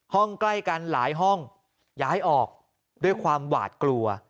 ใกล้กันหลายห้องย้ายออกด้วยความหวาดกลัว